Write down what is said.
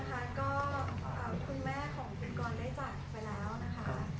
จริงนะคะก็คุณแม่ของพี่กรได้จัดไปแล้วนะคะ